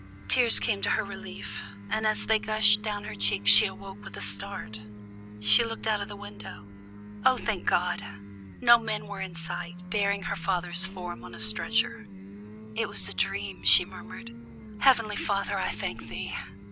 Tears came to her relief, and as they gushed down over her cheeks she awoke with a start. She looked out of the window. Oh, thank God! no men were in sight, bearing her father's form on a stretcher. "It was a dream," she murmured. "Heavenly Father, I thank thee!"